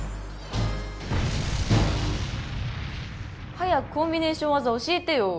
早くコンビネーションわざ教えてよ！